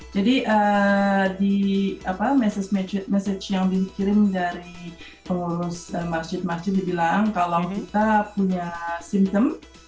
jadi di message yang dikirim dari masjid masjid dibilang kalau kita punya simptom